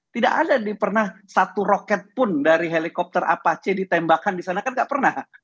tidak ada dipernah satu roket pun dari helikopter apache ditembakkan disana kan gak pernah